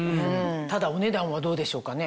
ただお値段はどうでしょうかね？